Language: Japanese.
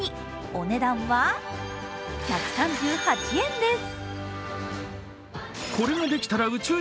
お値段は１３８円です。